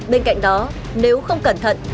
bên cạnh đó nếu không cẩn thận